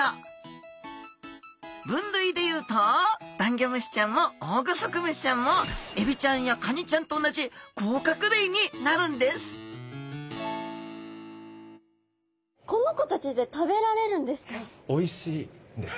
分類で言うとダンギョムシちゃんもオオグソクムシちゃんもエビちゃんやカニちゃんと同じ甲殻類になるんですおいしいんです。